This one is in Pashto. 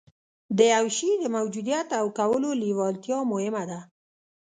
د يوه شي د موجوديت او کولو لېوالتيا مهمه ده.